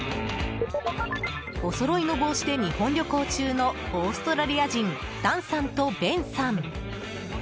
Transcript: おそろいの帽子で日本旅行中のオーストラリア人ダンさんとベンさん。